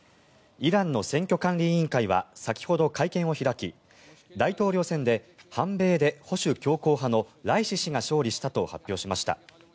イランの選挙管理委員会は先ほど会見を開き大統領選で反米で保守強硬派のライシ師が勝利したと発表しました。